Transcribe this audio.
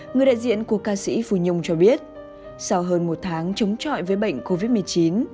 người đại diện của ca sĩ phu nhung cho biết sau hơn một tháng chống trọi với bệnh covid một mươi chín